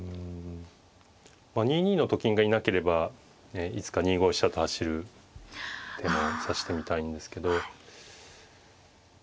まあ２二のと金がいなければいつか２五飛車と走る手も指してみたいんですけど。